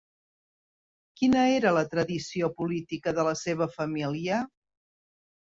Quina era la tradició política de la seva família?